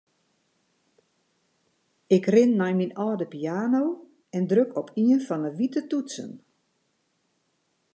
Ik rin nei myn âlde piano en druk op ien fan 'e wite toetsen.